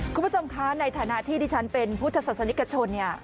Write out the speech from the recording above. คุณผู้ชมคะในฐานะที่ดิฉันเป็นพุทธศาสนิกชนเนี่ย